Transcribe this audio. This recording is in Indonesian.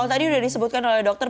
kalau tadi udah disebutkan oleh dokter